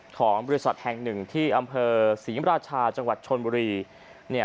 ของบริษัทแห่งหนึ่งที่อำเภอศรีมราชาจังหวัดชนบุรี